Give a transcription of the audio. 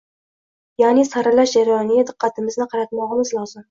ya’ni “saralash” jarayoniga diqqatimizni qaratmog‘imiz lozim.